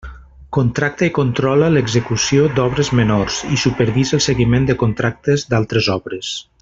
Contracta i controla l'execució d'obres menors i supervisa el seguiment de contractes d'altres obres.